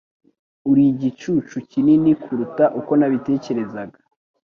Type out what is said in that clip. Uri igicucu kinini kuruta uko nabitekerezaga.